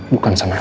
bukan sama aku